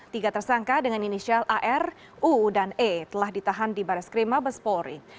tiga tersangka dengan inisial ar u dan e telah ditahan di baris krim mabes polri